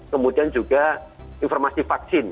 kemudian juga informasi vaksin